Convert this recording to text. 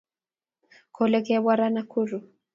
kole kebwa ra Nakuru